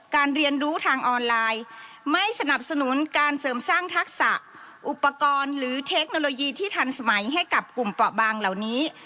เรียนรู้ทางออนไลน์ไม่สนับสนุนการเสริมสร้างทักษะอุปกรณ์หรือเทคโนโลยีที่ทันสมัยให้กับกลุ่มเปราะบางเหล่านี้